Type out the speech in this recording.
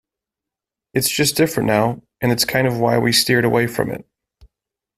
It's just different now, and that's kind of why we steered away from it.